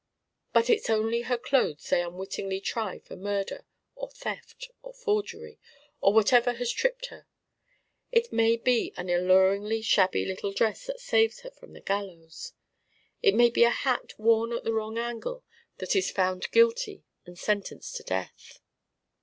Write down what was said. But it's only her clothes they unwittingly try for murder or theft or forgery, or whatever has tripped her. It may be an alluringly shabby little dress that saves her from the gallows. It may be a hat worn at the wrong angle that is found guilty and sentenced to death.